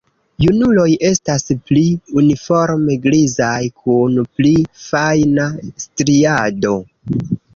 Junuloj estas pli uniforme grizaj kun pli fajna striado.